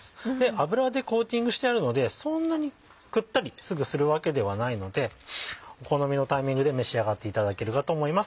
油でコーティングしてあるのでそんなりくったりすぐするわけではないのでお好みのタイミングで召し上がっていただけるかと思います。